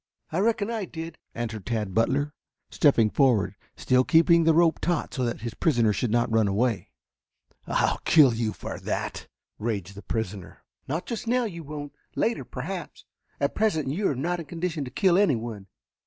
"I reckon I did," answered Tad Butler, stepping forward, still keeping the rope taut so that his prisoner should not run away. "I'll kill you for that!" raged the prisoner. "Not just now you won't. Later, perhaps. At present you are not in condition to kill anyone.